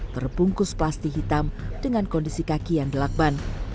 terbungkus plastik hitam dengan kondisi kaki yang delakban